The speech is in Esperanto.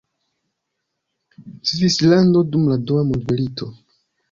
Svislando dum la dua mondmilito.